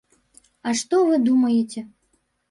А што вы думаеце.